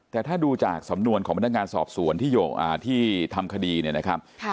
แต่ถ้าดูจากสำนวนของพนักงานสอบสวนที่ทำคดีเนี่ยนะครับ